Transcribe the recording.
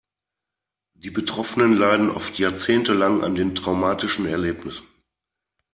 Die Betroffenen leiden oft jahrzehntelang an den traumatischen Erlebnissen.